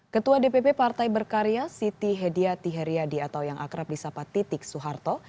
ketua dpp partai berkarya siti hedia tihariyadi atau yang akrab di sapa titik suharto